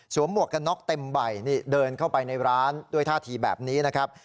หมวกกันน็อกเต็มใบนี่เดินเข้าไปในร้านด้วยท่าทีแบบนี้นะครับ